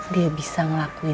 dia bisa mengaku semuanya gitu